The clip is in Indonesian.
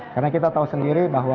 karena kita tahu sendiri bahwa